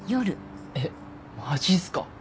・えっマジっすか？